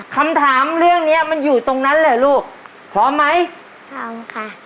คำถามเรื่องเนี้ยมันอยู่ตรงนั้นเหรอลูกพร้อมไหมพร้อมค่ะ